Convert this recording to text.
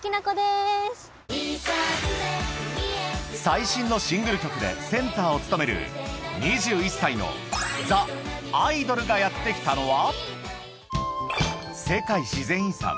最新のシングル曲でセンターを務める２１歳のＴＨＥアイドルがやって来たのは世界自然遺産